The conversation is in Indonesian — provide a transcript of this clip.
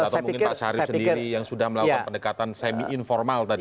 atau mungkin pak syarif sendiri yang sudah melakukan pendekatan semi informal tadi